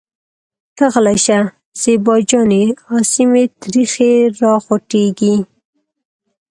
ته غلې شه زېبا جانې اسې مې تريخی راخوټکېږي.